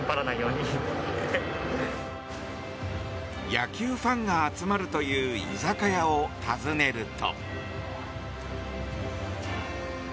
野球ファンが集まるという居酒屋を訪ねると。